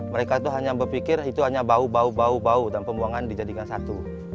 mereka itu hanya berpikir itu hanya bau bau bau bau dan pembuangan dijadikan satu